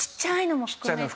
ちっちゃいのも？